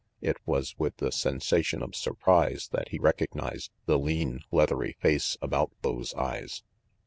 It was with the sensation of surprise that he recognized the lean, leathery face about those eyes.